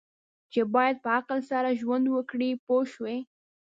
چې باید په عقل سره ژوند وکړي پوه شوې!.